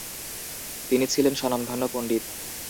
তিনি ছিলেন স্বনামধন্য পণ্ডিত।